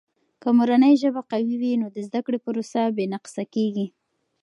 که مورنۍ ژبه قوي وي، نو د زده کړې پروسه بې نقصه کیږي.